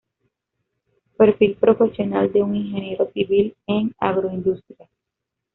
Perfil Profesional de un Ingeniero Civil en Agroindustrias